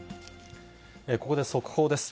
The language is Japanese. ここで速報です。